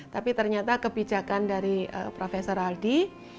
tapi ternyata kebijakan dari prof aldi